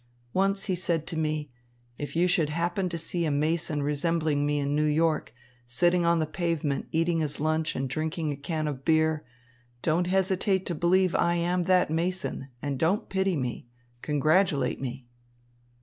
Once he said to me, 'If you should happen to see a mason resembling me in New York, sitting on the pavement eating his lunch and drinking a can of beer, don't hesitate to believe I am that mason, and don't pity me. Congratulate me.'"